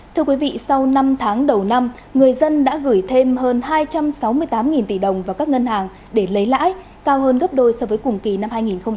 thưa quý vị sau năm tháng đầu năm người dân đã gửi thêm hơn hai trăm sáu mươi tám tỷ đồng vào các ngân hàng để lấy lãi cao hơn gấp đôi so với cùng kỳ năm hai nghìn một mươi chín